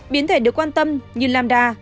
biến thể được quan tâm như lambda